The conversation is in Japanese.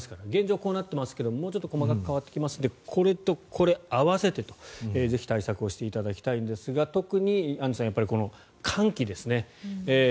こうなっていますがもうちょっと細かく変わっていきますのでこれとこれを合わせてぜひ対策をしていただきたいんですが特にアンジュさん寒気ですね。